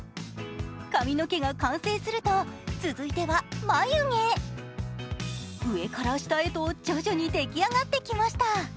髪の毛が完成すると、続いては眉毛上から下へと徐々に出来上がってきました。